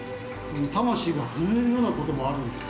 魂が震えるようなこともあるんだ。